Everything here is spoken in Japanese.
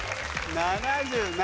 ７７